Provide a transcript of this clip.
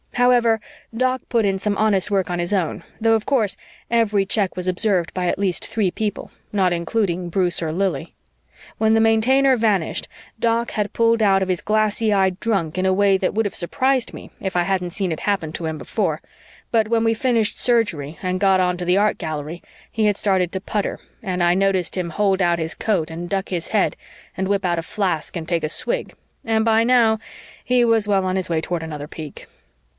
However, Doc put in some honest work on his own, though, of course, every check was observed by at least three people, not including Bruce or Lili. When the Maintainer vanished, Doc had pulled out of his glassy eyed drunk in a way that would have surprised me if I hadn't seen it happen to him before, but when we finished Surgery and got on to the Art Gallery, he had started to putter and I noticed him hold out his coat and duck his head and whip out a flask and take a swig and by now he was well on his way toward another peak.